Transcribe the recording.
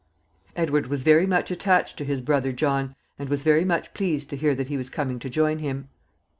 Edward was very much attached to his brother John, and was very much pleased to hear that he was coming to join him.